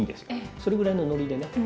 それぐらいのノリでね。